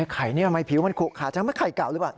ไข่นี่ทำไมผิวมันขุขาใช่ไหมไข่เก่าหรือเปล่า